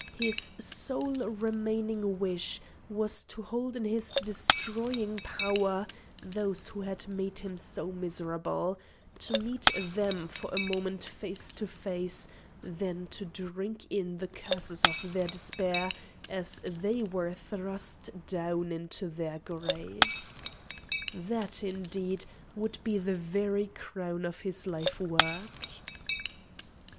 His sole remaining wish was to hold in his destroying power those who had made him so miserable; to meet them for a moment face to face; then to drink in the curses of their despair as they were thrust down into their graves. That, indeed, would be the very crown of his life work!